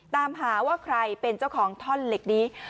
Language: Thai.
ตามหาว่าใครเป็นเจ้าของท่อนเหล็กนี้